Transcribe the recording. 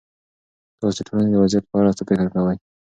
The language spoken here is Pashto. تاسو د ټولنې د وضعيت په اړه څه فکر کوئ؟